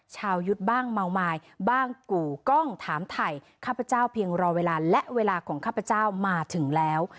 ยุทธ์บ้างเมาไม้บ้างกู่กล้องถามถ่ายข้าพเจ้าเพียงรอเวลาและเวลาของข้าพเจ้ามาถึงแล้ว